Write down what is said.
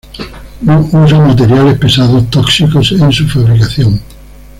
No usa materiales pesados tóxicos en su fabricación.